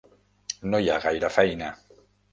No hi ha gaire feina.